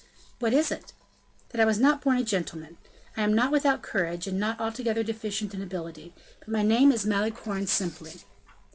"What is it?" "That I was not born a gentleman. I am not without courage, and not altogether deficient in ability; but my name is Malicorne simply."